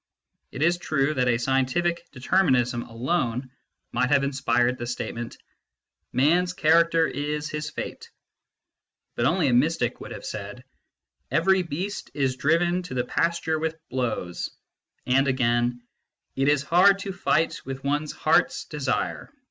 It is true that a scientific determinism alone might have inspired the statement :" Man s character is his fate "; but only a mystic would have said :" Every beast is driven to the pasture with blows "; and again :" It is hard to fight with one s heart s desire.